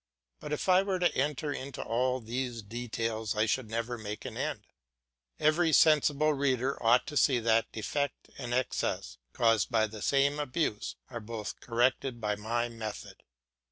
But if I were to enter into all these details I should never make an end; every sensible reader ought to see that defect and excess, caused by the same abuse, are both corrected by my method.